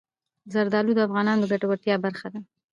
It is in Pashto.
زردالو د افغانانو د ګټورتیا برخه ده.